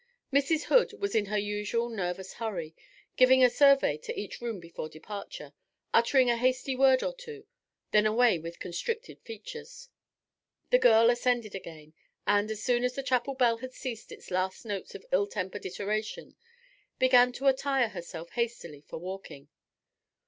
Mrs. Hood was in her usual nervous hurry, giving a survey to each room before departure, uttering a hasty word or two, then away with constricted features. The girl ascended again, and, as soon as the chapel bell had ceased its last notes of ill tempered iteration, began to attire herself hastily for walking.